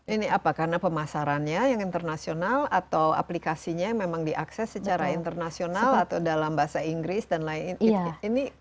ini apa karena pemasarannya yang internasional atau aplikasinya memang diakses secara internasional atau dalam bahasa inggris dan lain lain